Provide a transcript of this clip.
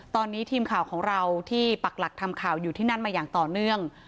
ตอนนี้ทีมข่าวของเราที่ปักหลักทำข่าวอยู่ที่นั่นมาอย่างต่อเนื่อง